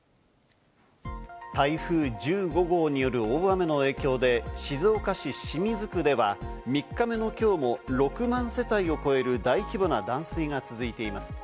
台風１５号による大雨の影響で静岡市清水区では３日目の今日も６万世帯を超える大規模な断水が続いています。